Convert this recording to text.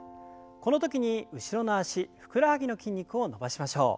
この時に後ろの脚ふくらはぎの筋肉を伸ばしましょう。